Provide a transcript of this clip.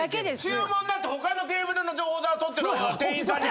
注文だって他のテーブルのオーダー取ってる店員さんに。